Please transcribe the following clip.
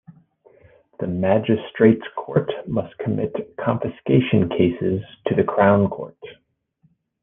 The Magistrates Court must commit confiscation cases to the Crown Court.